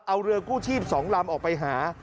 เอาเรือกู้ชีพ๒ลำออกไปหา